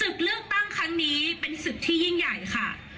ปิดสวิตช์๓ปเราไม่มีแต้มต่อนะคะ